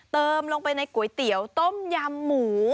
เติมลงไปในก๋วยเตี๋ยวต้มยำหมู